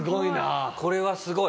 これはすごい。